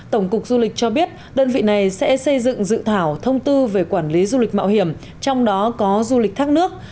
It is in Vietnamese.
tổng cục du lịch cho biết đơn vị này sẽ xây dựng dự thảo thông tư về quản lý du lịch mạo hiểm trong đó có du lịch thác nước